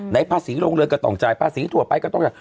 ภาษีโรงเรือนก็ต้องจ่ายภาษีทั่วไปก็ต้องจ่าย